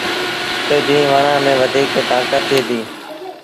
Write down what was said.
تا جين وڻآݩ ميݩ وڌيٚڪ تآݩڪت ٿئي ديٚ۔